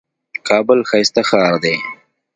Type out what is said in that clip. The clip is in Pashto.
کابل ښايسته ښار دئ.